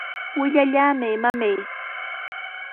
¡Wiyallamay, mamay!